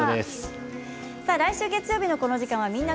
来週月曜日のこの時間は「みんな！